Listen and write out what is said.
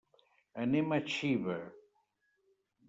Anem a Xiva.